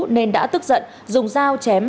nên đã tức giận dùng dao chém